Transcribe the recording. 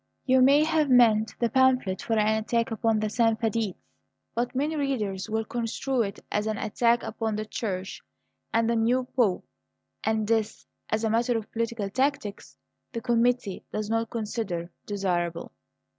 You may have meant the pamphlet for an attack upon the Sanfedists: but many readers will construe it as an attack upon the Church and the new Pope; and this, as a matter of political tactics, the committee does not consider desirable."